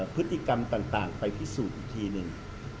พฤติกรรมต่างไปพิสูจน์อีกทีหนึ่ง